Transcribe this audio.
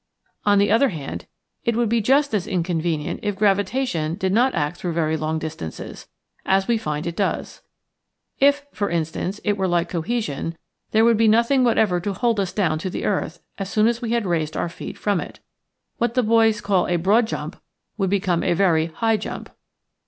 On the other hand, it would bo just as inconvenient if gravitation did not act through very long distances, as we find it does. If, for instance, it were like cohesion, there would be nothing whatever to hold us down to the earth as soon as we had raised our feet from it. What the boys call a " broad jump " would become a very " high jump."